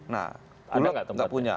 nah bulog enggak punya